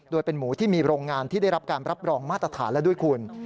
โดยเป็นหมูที่มีโรงงานที่ได้รับการรับรองมาตรฐานแล้วด้วยคุณ